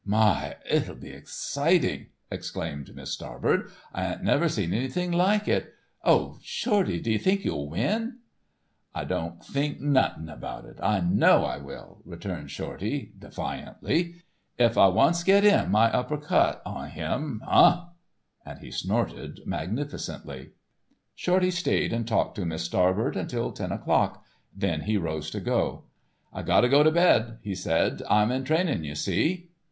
"My, itull be exciting!" exclaimed Miss Starbird. "I ain't never seen anything like it. Oh, Shorty, d'ye think you'll win?" "I don't think nothun about it. I know I will," returned Shorty, defiantly. "If I once get in my left upper cut on him, huh!" and he snorted magnificently. Shorty stayed and talked to Miss Starbird until ten o'clock, then he rose to go. "I gotta get to bed," he said, "I'm in training you see."